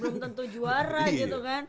belum tentu juara gitu kan